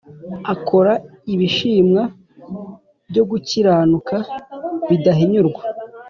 akora ibishimwa byo gukiranuka bidahinyurwa